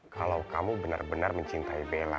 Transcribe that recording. kalau kamu benar benar mencintai bella